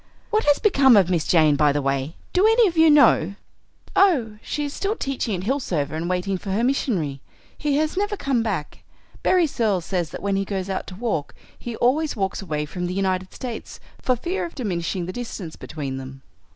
What has become of Miss Jane, by the way? Do any of you know?" "Oh, she is still teaching at Hillsover and waiting for her missionary. He has never come back. Berry Searles says that when he goes out to walk he always walks away from the United States, for fear of diminishing the distance between them."